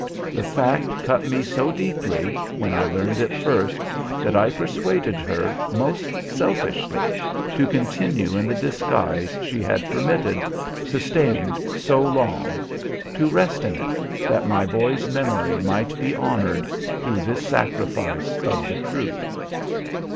The fact cut me so deeply, when I learned it first, that I persuaded her, most selfishly, to continue in the disguise she had permitted, sustained so long, to rest in it, that my boy's memory might be honored through this sacrifice of the truth.